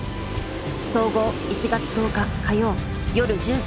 総合１月１０日火曜夜１０時。